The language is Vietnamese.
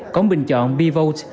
cống bình chọn bevote